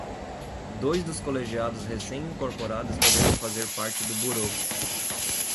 Dois dos colegiados recém-incorporados poderão fazer parte do Bureau.